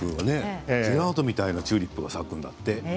ジェラートみたいなチューリップが咲くんだって。